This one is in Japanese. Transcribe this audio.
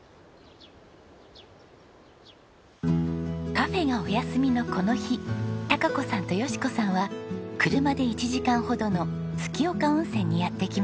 カフェがお休みのこの日貴子さんと佳子さんは車で１時間ほどの月岡温泉にやって来ました。